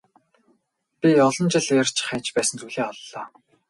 Би олон жил эрж хайж байсан зүйлээ оллоо.